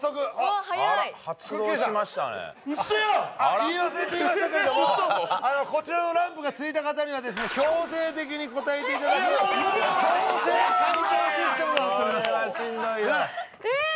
言い忘れていましたけれどもこちらのランプがついた方には強制的に答えていただく強制解答システムとなっております